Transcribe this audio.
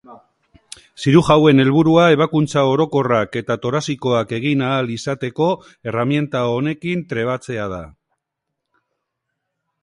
Zirujauen helburua ebakuntza orokorrak eta torazikoak egin ahal izateko herramienta honekin trebatzea da.